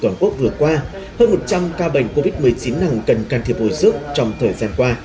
toàn quốc vừa qua hơn một trăm linh ca bệnh covid một mươi chín nặng cần can thiệp hồi sức trong thời gian qua